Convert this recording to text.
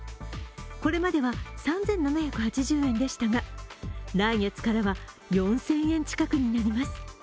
これまでは３７８０円でしたが来月からは４０００円近くになります。